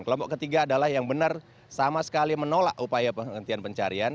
kelompok ketiga adalah yang benar sama sekali menolak upaya penghentian pencarian